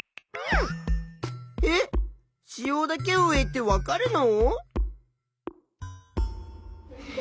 えっ子葉だけを植えてわかるの？